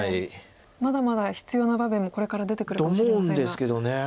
まだまだ必要な場面もこれから出てくるかも。と思うんですけど